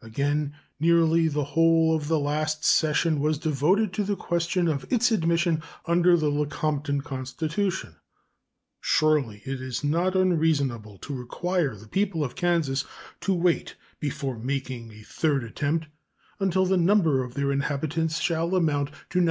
Again, nearly the whole of the last session was devoted to the question of its admission under the Lecompton constitution. Surely it is not unreasonable to require the people of Kansas to wait before making a third attempt until the number of their inhabitants shall amount to 93,420.